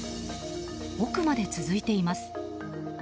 奥まで続いています。